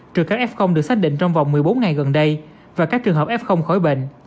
trừ các f được xác định trong vòng một mươi bốn ngày gần đây và các trường hợp f khỏi bệnh